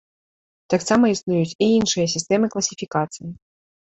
Таксама існуюць і іншыя сістэмы класіфікацыі.